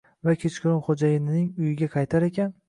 Va kechqurun xoʻjayinining uyiga qaytar ekan.